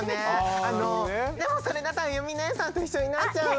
でもそれだとあゆみおねえさんと一緒になっちゃう！